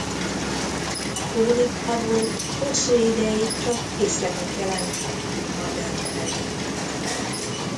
A krónikából hosszú ideig csak részletek jelentek meg magyar nyelven.